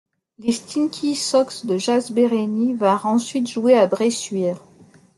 Les Stinky Sox de Jaszbereny vinrent ensuite jouer à Bressuire.